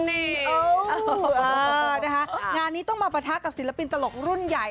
นี่นะคะงานนี้ต้องมาปะทะกับศิลปินตลกรุ่นใหญ่